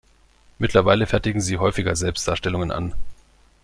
Mittlerweile fertigen sie häufiger Selbstdarstellungen an.